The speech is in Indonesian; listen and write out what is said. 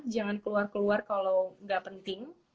jangan keluar keluar kalau nggak penting